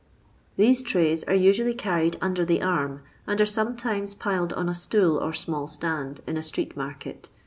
These trays are usually carried under the arm, and are sometimes piled on a stool or small stanil, in a street market.